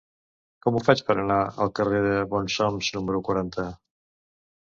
Com ho faig per anar al carrer de Bonsoms número quaranta?